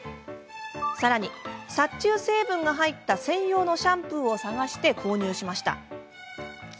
さらに殺虫成分が入った専用のシャンプーを探して購入しました。